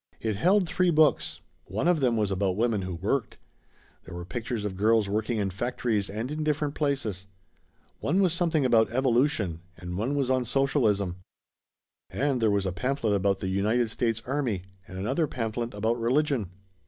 It held three books. One of them was about women who worked. There were pictures of girls working in factories and in different places. One was something about evolution, and one was on socialism. And there was a pamphlet about the United States Army, and another pamphlet about religion.